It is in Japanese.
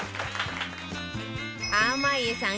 濱家さん